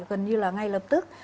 gần như là ngay lập tức